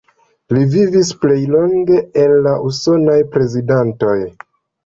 Li vivis plej longe el la usonaj prezidantoj.